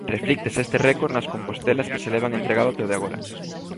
Reflíctese este récord nas compostelas que se levan entregado ata o de agora.